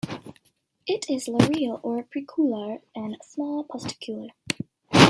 It has loreal or preocular, and a small postocular.